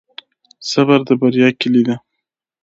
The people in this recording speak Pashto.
صبر د بریا کیلي ده.